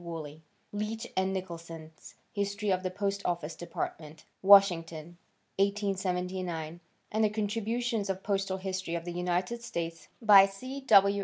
Wooley; Leech and Nicholson's History of the Post Office Department, Washington, 1879, and the contributions of the Postal History of the United States by C. W.